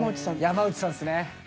山内さんっすね。